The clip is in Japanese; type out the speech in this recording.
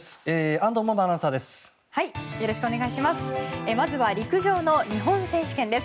安藤萌々アナウンサーです。